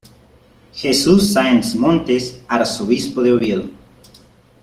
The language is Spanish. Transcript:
Jesús Sanz Montes, Arzobispo de Oviedo.